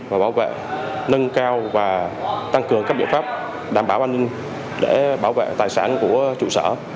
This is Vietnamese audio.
và bảo vệ nâng cao và tăng cường các biện pháp đảm bảo an ninh để bảo vệ tài sản của trụ sở